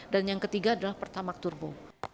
dan yang ketiga adalah pertamax turbo